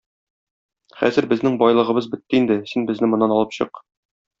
Хәзер безнең байлыгыбыз бетте инде, син безне моннан алып чык.